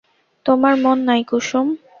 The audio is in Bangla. তোমার মন নাই কুসুম?